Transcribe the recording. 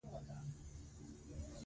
کنه دای د خپل فکر اولین دوښمن دی.